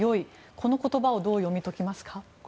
この言葉をどう読み解きますか。